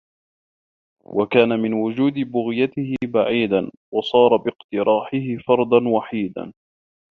وَكَانَ مِنْ وُجُودِ بُغْيَتِهِ بَعِيدًا وَصَارَ بِاقْتِرَاحِهِ فَرْدًا وَحِيدًا